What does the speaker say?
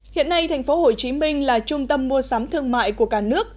hiện nay thành phố hồ chí minh là trung tâm mua sắm thương mại của cả nước